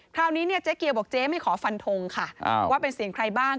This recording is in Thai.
คราวนี้เนี่ยเจ๊เกียวบอกเจ๊ไม่ขอฟันทงค่ะว่าเป็นเสียงใครบ้าง